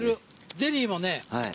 ゼリーもね